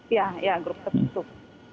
ya ya grup tertutup